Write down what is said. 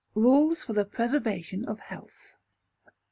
Rules for the Preservation of Health.